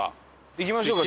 行きましょうか。